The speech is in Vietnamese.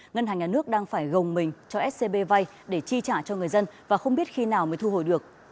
ngân hàng nhà nước đang phải gồng mình cho scb vay để chi trả cho người dân và không biết khi nào mới thu hồi được